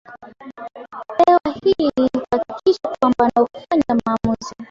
hewa Hili litahakikisha kwamba wanaofanya maamuzi